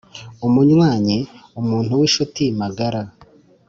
umunywanyi: umuntu w’inshuti magara